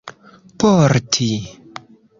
porti